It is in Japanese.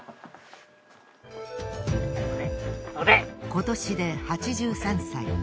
今年で８３歳。